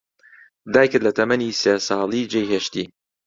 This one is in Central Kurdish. دایکت لە تەمەنی سێ ساڵی جێی هێشتی.